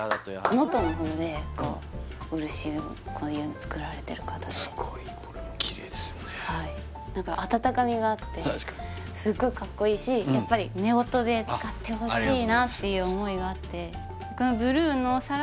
能登のほうで漆のこういうの作られてる方ですごいこれもきれいですよねなんか温かみがあってすっごいカッコいいしやっぱり夫婦で使ってほしいなっていう思いがあって私？